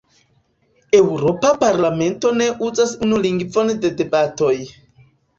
Eŭropa Parlamento ne uzas unu lingvon de debatoj.